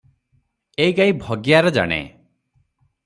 ଏ ଗାଈ ଭଗିଆର ଜାଣେ ।